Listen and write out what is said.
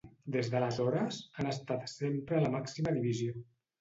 Des d'aleshores, han estat sempre a la màxima divisió.